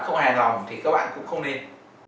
không hài lòng thì các bạn cũng không nên